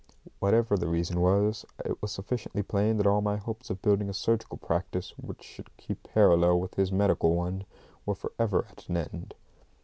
Whatever the reason was, it was sufficiently plain that all my hopes of building up a surgical practice, which should keep parallel with his medical one, were for ever at an end.